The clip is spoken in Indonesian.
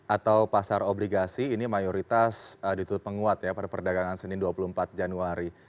atau pasar obligasi ini mayoritas ditutup penguat ya pada perdagangan senin dua puluh empat januari